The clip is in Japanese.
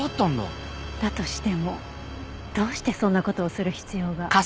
だとしてもどうしてそんな事をする必要が。